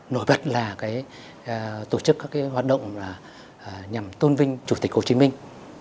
nổi bật là tổ chức các hoạt động nhằm tôn vinh chủ tịch hồ chí minh